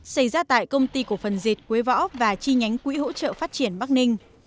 xảy ra tại công ty cổ phần dệt quế võ và chi nhánh quỹ hỗ trợ phát triển bắc ninh